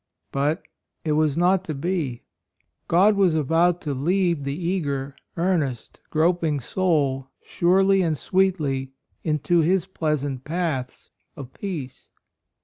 But it was not to be: God was about to lead the eager, earnest, groping soul surely and sweetly into His pleasant paths of peace.